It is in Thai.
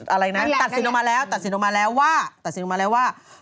อะไรนะตัดสินออกมาแล้วว่า